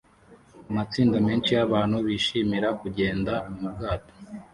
Amatsinda menshi yabantu bishimira kugenda mubwato